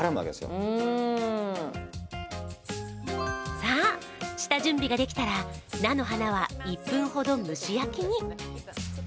さあ下準備ができたら菜の花は１分ほど蒸し焼きに。